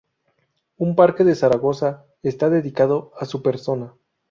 Un parque de Zaragoza está dedicado a su persona.